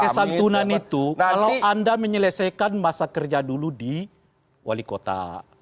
kesantunan itu kalau anda menyelesaikan masa kerja dulu di wali kota